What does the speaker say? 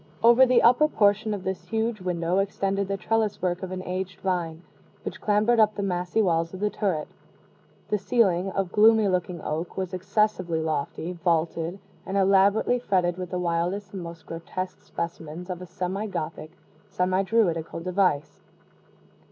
Over the upper portion of this huge window extended the trellis work of an aged vine, which clambered up the massy walls of the turret. The ceiling, of gloomy looking oak, was excessively lofty, vaulted, and elaborately fretted with the wildest and most grotesque specimens of a semi Gothic, semi Druidical device.